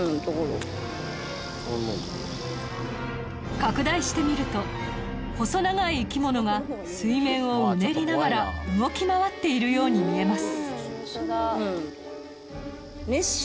拡大してみると細長い生き物が水面をうねりながら動き回っているように見えます